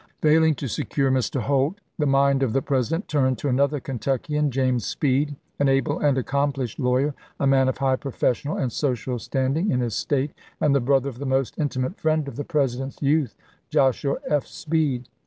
Failing to secure Mr. Holt, the mind of the President turned to another Kentuckian, James Speed, an able and accomplished lawyer, a man of high professional and social standing in his State, and the brother of the most intimate friend of the President's youth, Joshua F. Speed.